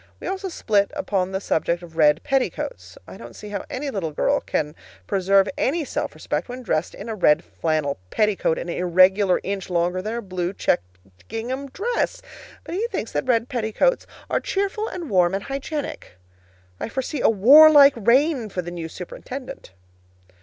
We also split upon the subject of red petticoats. I don't see how any little girl can preserve any self respect when dressed in a red flannel petticoat an irregular inch longer than her blue checked gingham dress; but he thinks that red petticoats are cheerful and warm and hygienic. I foresee a warlike reign for the new superintendent.